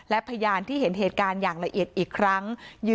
และพยานที่เห็นเหตุการณ์อย่างละเอียดอีกครั้ง